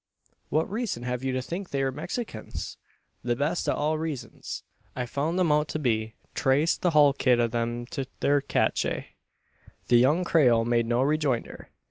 "What reason have you to think they were Mexicans?" "The best o' all reezuns. I foun' 'em out to be; traced the hul kit o' 'em to thur cache." The young Creole made no rejoinder.